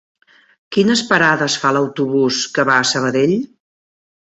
Quines parades fa l'autobús que va a Sabadell?